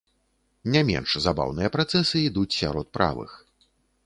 Не менш забаўныя працэсы ідуць сярод правых.